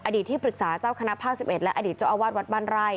ที่ปรึกษาเจ้าคณะภาค๑๑และอดีตเจ้าอาวาสวัดบ้านไร่